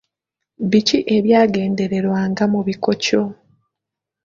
Biki ebyagendererwanga mu bikokyo?